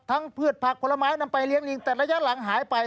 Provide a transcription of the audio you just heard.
พืชผักผลไม้นำไปเลี้ยงลิงแต่ระยะหลังหายไป